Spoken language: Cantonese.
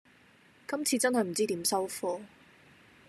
今次真係唔知點收科